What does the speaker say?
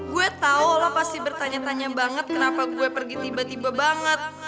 gue tau ola pasti bertanya tanya banget kenapa gue pergi tiba tiba banget